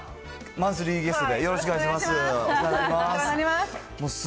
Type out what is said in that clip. マンスリーゲストで、よろしくお願いします。